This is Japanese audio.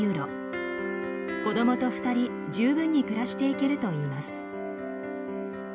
子どもと２人十分に暮らしていけるといいます。